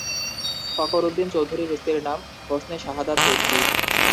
ফখরুদ্দিন চৌধুরীর স্ত্রীর নাম হোসনে শাহাদাত চৌধুরী।